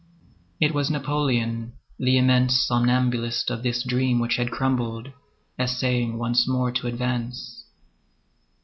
It was Napoleon, the immense somnambulist of this dream which had crumbled, essaying once more to advance.